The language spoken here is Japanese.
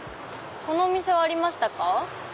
このお店はありましたか？